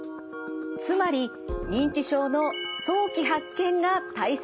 つまり認知症の早期発見が大切なんです。